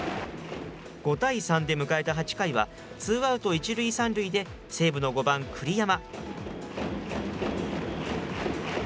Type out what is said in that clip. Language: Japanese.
５対３で迎えた８回は、ツーアウト１塁３塁で、西武の５番栗山。